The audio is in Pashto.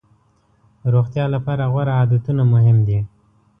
روغتیا لپاره غوره عادتونه مهم دي.